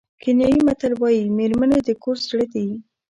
کینیايي متل وایي مېرمنې د کور زړه دي.